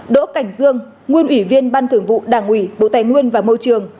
đỗ cảnh dương nguyên ủy viên ban thưởng vụ đảng ủy bộ tài nguyên và môi trường